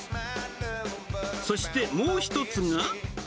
そしてもう一つが。